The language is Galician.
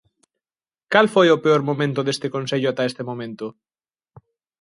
Cal foi o peor momento deste Consello ata este momento?